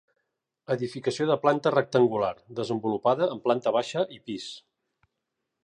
Edificació de planta rectangular, desenvolupada en planta baixa i pis.